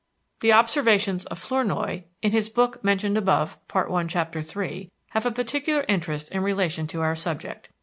The observations of Flournoy (in his book, mentioned above, Part I, chapter III) have a particular interest in relation to our subject.